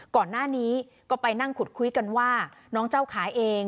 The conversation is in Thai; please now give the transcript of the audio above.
ก่อนหน้านี้ก็ไปนั่งขุดคุยกันว่าน้องเจ้าขาเอง